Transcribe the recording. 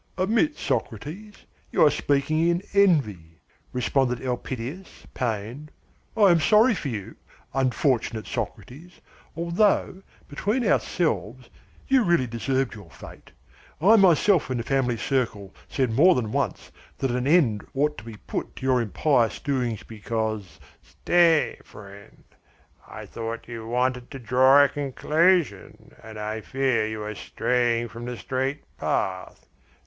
"Admit, Socrates, you are speaking in envy," responded Elpidias, pained. "I am sorry for you, unfortunate Socrates, although, between ourselves, you really deserved your fate. I myself in the family circle said more than once that an end ought to be put to your impious doings, because " "Stay, friend, I thought you wanted to draw a conclusion, and I fear you are straying from the straight path.